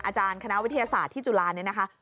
อาจารย์คณะวิทยาศาสตร์ที่จุฬาเนี่ยนะคะ